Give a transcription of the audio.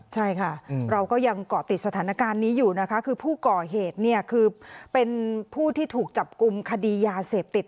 ใช่ค่ะเราก็ยังเกาะติดสถานการณ์นี้อยู่นะคะคือผู้ก่อเหตุเนี่ยคือเป็นผู้ที่ถูกจับกลุ่มคดียาเสพติด